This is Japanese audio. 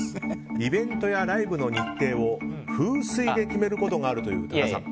イベントやライブの日程を風水で決めることがあるという多田さん。